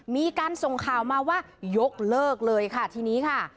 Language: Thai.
มีการส่งข่าวมาว่ายกเลิกเลยค่ะทีนี้ค่ะ